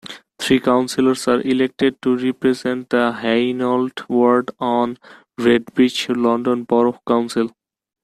Three councillors are elected to represent the Hainault ward on Redbridge London Borough Council.